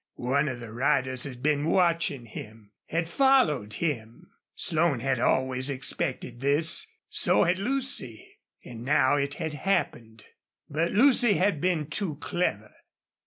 One of the riders had been watching him had followed him! Slone had always expected this. So had Lucy. And now it had happened. But Lucy had been too clever.